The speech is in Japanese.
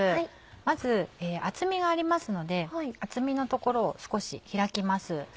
まず厚みがありますので厚みの所を少し開きます。